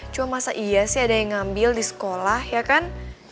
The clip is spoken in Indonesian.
cuma masa iya sih ada yang ngambil di sekolah ya kan